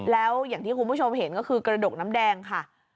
แล้วอย่างที่คุณผู้ชมเห็นก็คือกระดกน้ำแดงค่ะ